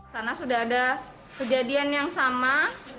karena sudah ada kejadian yang sama